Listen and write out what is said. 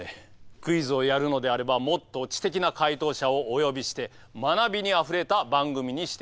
クイズをやるのであればもっと知的な解答者をお呼びして学びにあふれた番組にしていただきたい。